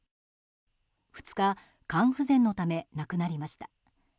２日、肝不全のため亡くなりました。